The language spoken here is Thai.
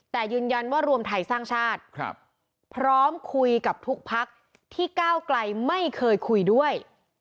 แต่ยืนยันว่ารวมไทยสร้างชาติพร้อมคุยกับทุกพักที่ก้าวไกลไม่เคยคุยด้วย